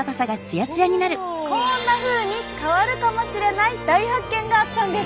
こんなふうに変わるかもしれない大発見があったんです。